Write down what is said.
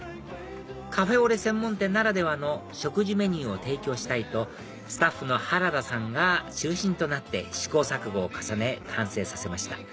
カフェオレ専門店ならではの食事メニューを提供したいとスタッフの原田さんが中心となって試行錯誤を重ね完成させました